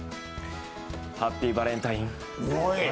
ハッピーバレンタイン。